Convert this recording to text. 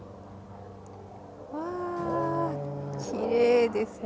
うわあ、きれいですね。